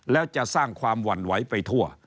แล้วจะสร้างความหวั่นไหวไปทั่ว